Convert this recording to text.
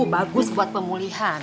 bagus buat pemulihan